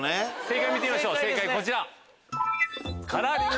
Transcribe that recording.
正解見てみましょうこちら。